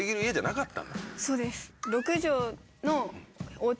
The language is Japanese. そうです。